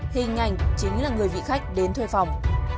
hình ảnh chính là người vị khách đến thuê phòng